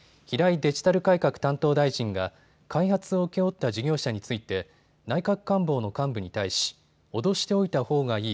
デジタル改革担当大臣が開発を請け負った事業者について内閣官房の幹部に対し脅しておいたほうがいい。